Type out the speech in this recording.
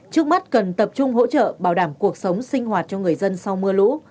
trước mắt cần tập trung hỗ trợ bảo đảm cuộc sống sinh hoạt cho người dân sau mưa lũ